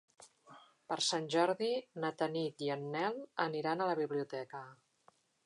Per Sant Jordi na Tanit i en Nel aniran a la biblioteca.